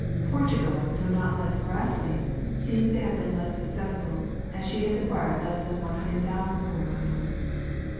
Portugal, though not less grasping, seems to have been less successful, as she has acquired less than 100,000 square miles.